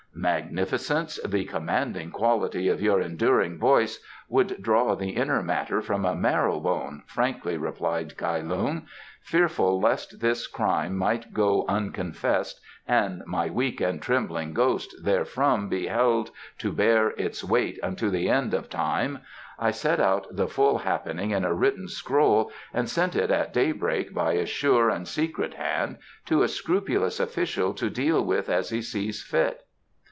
"Magnificence, the commanding quality of your enduring voice would draw the inner matter from a marrow bone," frankly replied Kai Lung. "Fearful lest this crime might go unconfessed and my weak and trembling ghost therefrom be held to bear its weight unto the end of time, I set out the full happening in a written scroll and sent it at daybreak by a sure and secret hand to a scrupulous official to deal with as he sees fit."